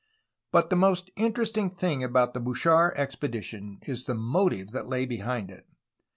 But the most interesting thing about the Bouchard expe dition is the motive that lay behind it.